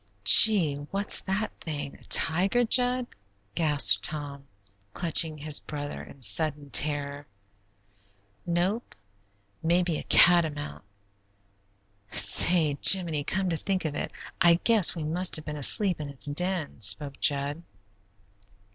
"Gee, what's that thing? A tiger, Jud?" gasped Tom, clutching his brother in sudden terror. "Nope; maybe a catamount. Say, Jiminy, come to think of it, I guess we must have been asleep in its den," spoke Jud.